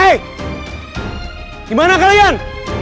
hei dimana kalian